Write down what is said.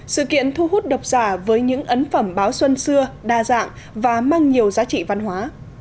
sự kiện thu hút độc giả với những ấn phẩm báo xuân xưa đa dạng và mang nhiều giá trị văn hóa